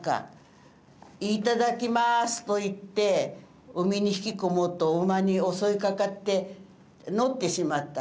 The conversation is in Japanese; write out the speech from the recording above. いただきまーすと言って海に引き込もうと馬に襲いかかってのってしまった。